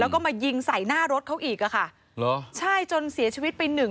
แล้วก็มายิงใส่หน้ารถเขาอีกอ่ะค่ะเหรอใช่จนเสียชีวิตไปหนึ่ง